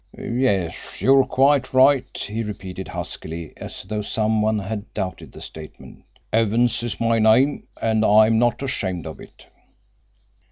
"Yes, you're quite right," he repeated huskily, as though some one had doubted the statement. "Evans is my name and I'm not ashamed of it."